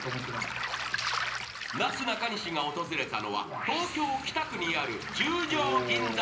［なすなかにしが訪れたのは東京北区にある］